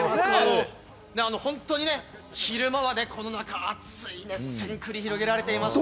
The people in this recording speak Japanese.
本当に昼間はこの中、熱い熱戦、繰り広げられていました。